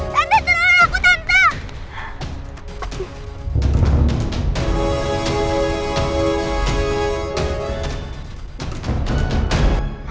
tanda tenaga aku tanda